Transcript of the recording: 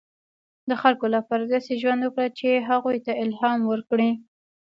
• د خلکو لپاره داسې ژوند وکړه، چې هغوی ته الهام ورکړې.